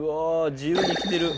自由に生きてる。